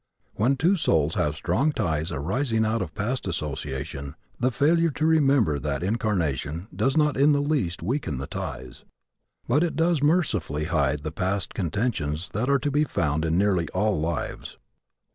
When two souls have strong ties arising out of past association the failure to remember that incarnation does not in the least weaken the ties. But it does mercifully hide the past contentions that are to be found in nearly all lives.